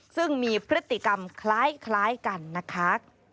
ซึ่งมีพฤติกรรมคล้ายกันนะคะ